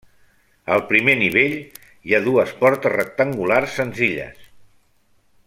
Al primer nivell hi ha dues portes rectangulars senzilles.